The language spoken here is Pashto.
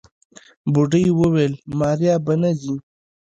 بوډۍ وويل ماريا به نه ځي.